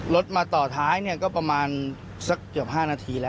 รถมาต่อท้ายก็ประมาณสักเกือบ๕นาทีแล้ว